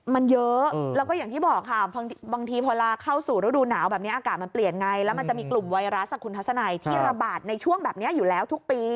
มันเยอะแล้วก็อย่างที่บอกค่ะบางทีพอลาเข้าสู่ฤดูหนาวแบบนี้อากาศมันเปลี่ยนไงแล้วมันจะมีกลุ่มไวรัสคุณทัศนัยที่ระบาดในช่วงแบบนี้อยู่แล้วทุกปี